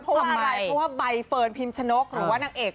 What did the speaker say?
เพราะว่าอะไรเพราะว่าใบเฟิร์นพิมชนกหรือว่านางเอก